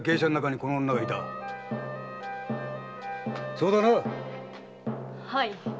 そうだな⁉はい。